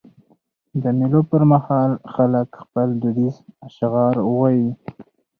د مېلو پر مهال خلک خپل دودیز اشعار وايي.